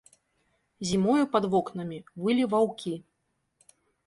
Зімою пад вокнамі вылі ваўкі.